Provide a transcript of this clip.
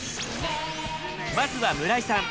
まずは村井さん！